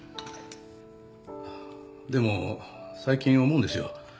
でも最近思うんですよ。